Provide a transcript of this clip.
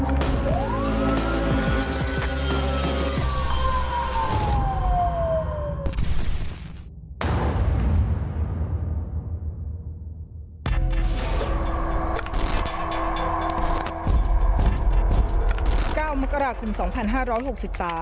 ตอนนี้ก็ไม่มีเวลาที่จะพูดถึงว่ามันเป็นอะไรหรือเปล่า